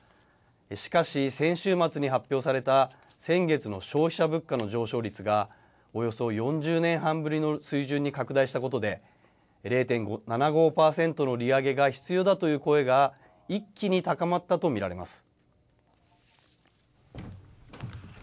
しかし、先週末に発表された先月の消費者物価の上昇率が、およそ４０年半ぶりの水準に拡大したことで、０．７５％の利上げが必要だという声が一気に高まったと見られます。